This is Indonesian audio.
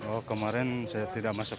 oh kemarin saya tidak masuk